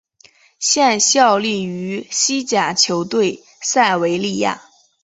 现效力于西甲球队塞维利亚。